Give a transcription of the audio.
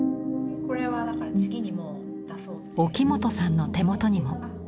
沖本さんの手元にも。